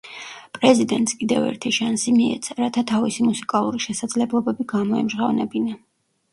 პრეზიდენტს კიდევ ერთი შანსი მიეცა, რათა თავისი მუსიკალური შესაძლებლობები გამოემჟღავნებინა.